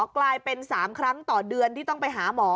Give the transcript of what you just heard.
กลายเป็น๓ครั้งต่อเดือนที่ต้องไปหาหมอ